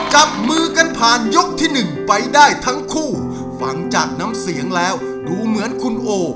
จับมือกันผ่านยกที่หนึ่งไปได้ทั้งคู่ฟังจากน้ำเสียงแล้วดูเหมือนคุณโอ